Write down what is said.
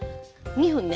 ２分ね。